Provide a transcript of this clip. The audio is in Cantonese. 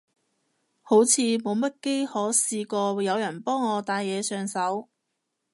好似冇乜幾可試過有人幫我戴嘢上手